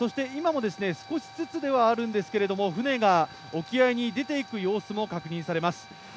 今も少しずつではあるんですけれども、船が沖合に出て行く様子も確認されます。